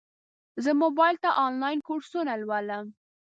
زه موبایل ته انلاین کورسونه لولم.